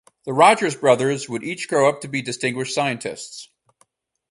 The Rogers brothers would each grow up to be distinguished scientists.